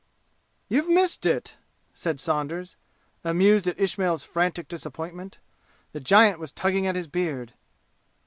"You've missed it!" said Saunders, amused at Ismail's frantic disappointment. The giant was tugging at his beard.